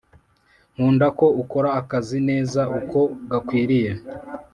nkunda ko ukora akazi neza uko gakwiriye